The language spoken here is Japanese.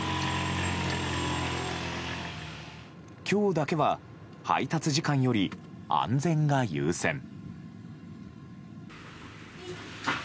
今日だけは配達時間より安全が優先。